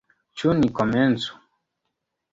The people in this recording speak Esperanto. Ĉu ni komencu?